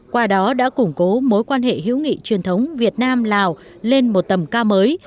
qua đó đã củng cố mối quan hệ hữu nghị truyền thống việt nam lào lên một tầm cao mới